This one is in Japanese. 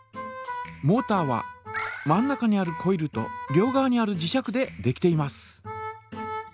モータは真ん中にあるコイルと両側にある磁石でできています。